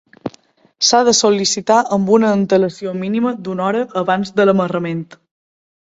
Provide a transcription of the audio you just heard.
S'ha de sol·licitar amb una antelació mínima d'una hora abans de l'amarrament.